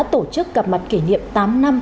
tổ chức gặp mặt kỷ niệm tám năm